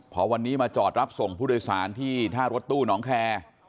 พอวันนี้มาจอดรับส่งผู้โดยสารที่ท่ารถตู้หนองแคร์